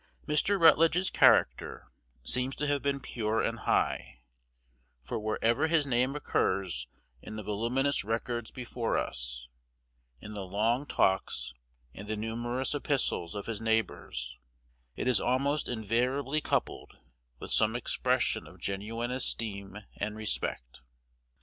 Mr. Rutledge's character seems to have been pure and high; for wherever his name occurs in the voluminous records before us, in the long talks and the numerous epistles of his neighbors, it is almost invariably coupled with some expression of genuine esteem and respect.